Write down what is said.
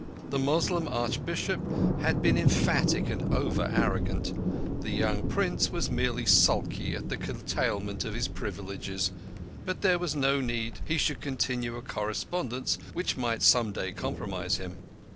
The Moslem Archbishop had been emphatic and over arrogant; the young prince was merely sulky at the curtailment of his privileges, but there was no need he should continue a correspondence which might some day compromise him.